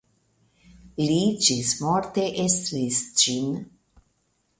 Li ĝismorte estris ĝin.